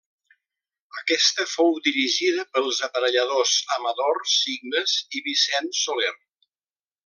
Aquesta fou dirigida pels aparelladors Amador Signes i Vicent Soler.